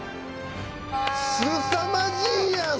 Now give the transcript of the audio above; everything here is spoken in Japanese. すさまじいやん。